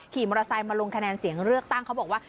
ขี่มอเตอร์ไซค์มาลงคะแนนเสียงเลือกตั้งเขาบอกว่า